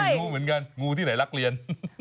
รู้เหมือนกันงูที่ไหนรักเรียน